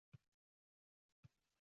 Qanday qilib soch-soqol olish.